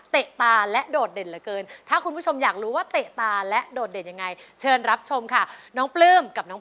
เตะตาและโดดเด่นเหลือเกิน